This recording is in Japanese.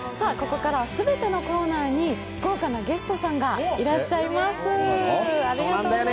ここからは全てのコーナーに豪華なゲストさんがいらっしゃいます。